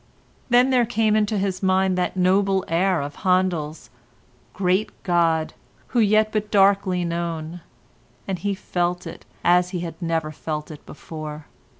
Then there came into his mind that noble air of Handel's: "Great God, who yet but darkly known," and he felt it as he had never felt it before.